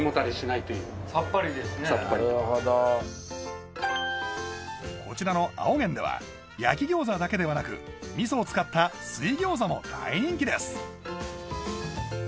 なるほどこちらの青源では焼餃子だけではなく味噌を使った水餃子も大人気です